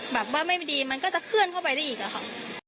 แบบว่าไม่ดีมันก็จะเคลื่อนเข้าไปได้อีกอะค่ะ